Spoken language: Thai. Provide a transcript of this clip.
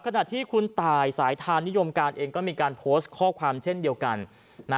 ขณะที่คุณตายสายทานนิยมการเองก็มีการโพสต์ข้อความเช่นเดียวกัน